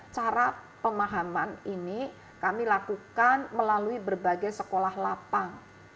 cara pemahaman ini kami lakukan melalui berbagai sekolah lapang